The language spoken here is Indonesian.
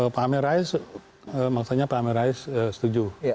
pak amin rais maksudnya pak amin rais setuju